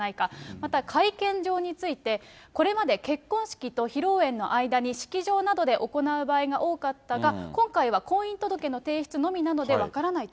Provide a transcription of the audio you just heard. また、会見場について、これまで結婚式と披露宴の間に式場などで行う場合が多かったが、今回は婚姻届の提出のみなので分からないと。